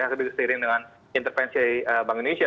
lebih keseiring dengan intervensi dari bank indonesia